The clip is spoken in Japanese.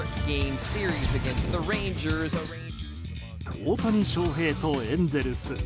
大谷翔平とエンゼルス。